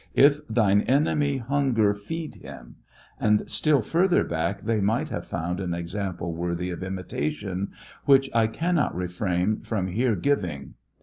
If thine enemy hunger, feed him," and still further back they might have found an example worthy of imitation, which I cannot refrain from here giving.